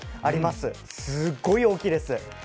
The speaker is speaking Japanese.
すっごい大きいです。